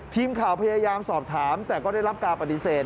ทีมข่าวพยายามสอบถามแต่ก็ได้รับการปฏิเสธ